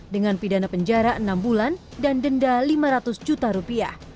dengan pidana penjara enam bulan dan denda lima ratus juta rupiah